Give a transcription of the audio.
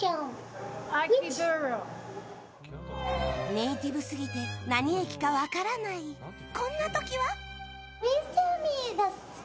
ネイティブすぎて何駅か分からない、こんな時は。